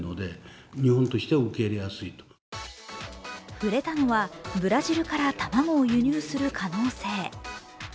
触れたのはブラジルから卵を輸入する可能性。